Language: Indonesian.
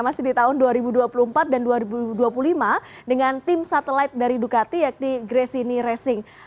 masih di tahun dua ribu dua puluh empat dan dua ribu dua puluh lima dengan tim satelit dari ducati yakni gresini racing